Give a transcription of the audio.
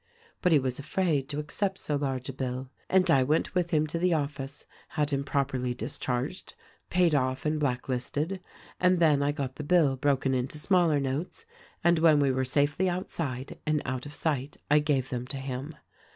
But he was afraid to accept so large a bill, and I went with him to the office, had him properly discharged, paid off and blacklisted, and then I got the bill broken into smaller notes, and when we were safely outside, and out of sight, I gave them to him.